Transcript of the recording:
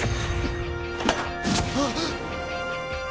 あっ！